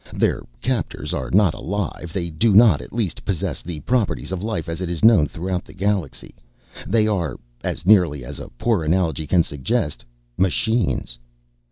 Their captors are not alive. They do not, at least, possess the properties of life as it is known throughout the galaxy. They are as nearly as a poor analogy can suggest Machines!